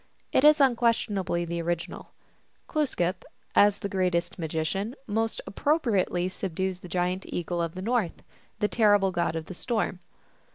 It is unquestionably the original. ^Glooskap, as the greatest magician, most appropriately subdues the giant eagle of the North, the terrible god of the storm.